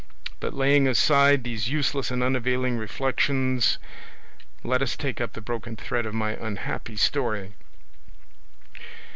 But laying aside these useless and unavailing reflections, let us take up the broken thread of my unhappy story.